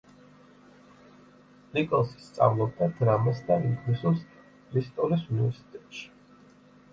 ნიკოლსი სწავლობდა დრამას და ინგლისურს ბრისტოლის უნივერსიტეტში.